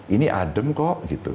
ini adem kok gitu